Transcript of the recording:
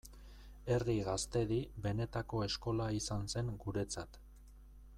Herri Gaztedi benetako eskola izan zen guretzat.